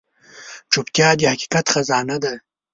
چوپتیا، د حقیقت خزانه ده.